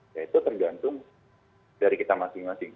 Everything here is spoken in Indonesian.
ya itu tergantung dari kita masing masing